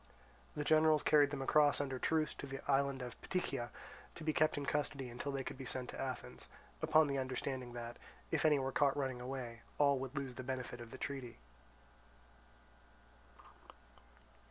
The generals carried them across under truce to the island of Ptychia, to be kept in custody until they could be sent to Athens, upon the understanding that, if any were caught running away, all would lose the benefit of the treaty.